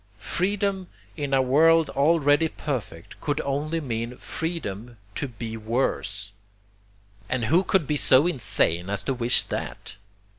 'Freedom' in a world already perfect could only mean freedom to BE WORSE, and who could be so insane as to wish that?